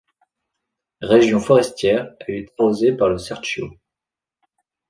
Région forestière, elle est arrosée par le Serchio.